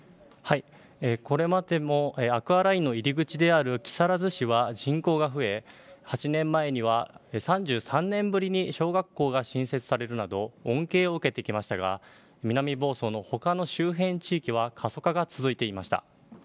これまでもアクアラインの入り口である木更津市は人口が増え８年前には３３年ぶりに小学校が新設されるなど恩恵を受けてきましたが南房総のほかの周辺地域は過疎化が続いていました。